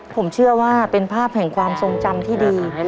ผมเชื่อว่าเป็นภาพแห่งความทรงจำที่ดี